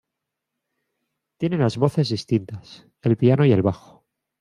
Tiene las voces distintas, el piano y el bajo.